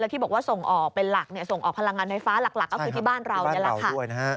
ที่บอกว่าส่งออกเป็นหลักส่งออกพลังงานไฟฟ้าหลักก็คือที่บ้านเรานี่แหละค่ะ